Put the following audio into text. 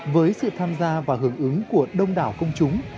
với sự tham gia và hưởng ứng của đông đảo công chúng